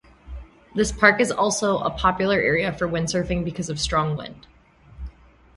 This park is also a popular area for windsurfing because of strong wind.